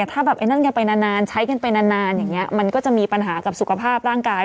ถ้าแบบไอ้นั่นกันไปนานใช้กันไปนานอย่างนี้มันก็จะมีปัญหากับสุขภาพร่างกาย